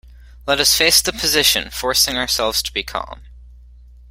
Let us face the position, forcing ourselves to be calm.